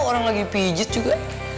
orang lagi pijet juga